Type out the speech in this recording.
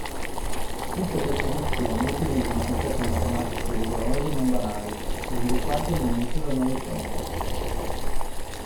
Tutte queste nozioni utilizzano concetti matematici rigorosi e non banali, sviluppati all'inizio del Novecento.